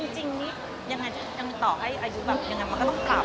จริงนี้ยังไงต่อให้อายุแบบยังไงมันก็ต้องกลับ